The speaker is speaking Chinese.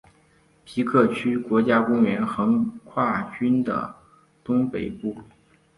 皮克区国家公园横跨郡的东北部。